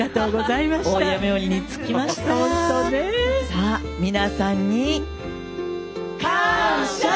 さあ皆さんに。感謝！